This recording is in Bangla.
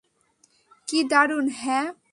কি দারুন - হ্যাঁ।